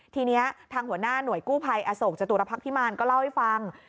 ทีนี้ทางหัวหน้าหน่วยกู้ภัยอโศกจตุรพักษ์พิมารก็เล่าให้ฟัง